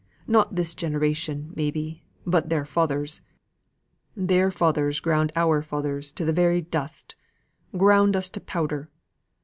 Not this generation maybe, but their fathers. Their fathers ground our fathers to the very dust; ground us to powder!